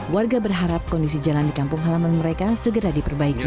warga berharap kondisi jalan di kampung halaman mereka segera diperbaiki